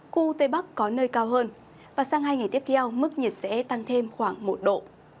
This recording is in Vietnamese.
khu tây bắc có nơi cao hơn và sang hai ngày tiếp theo mức nhiệt sẽ tăng thêm khoảng một độ